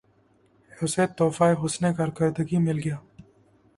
اسے تحفہِ حسنِ کارکردگی مل گیا